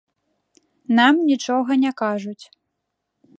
Нам нічога не кажуць.